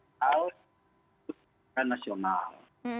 yang ketiga penyelidikan nasional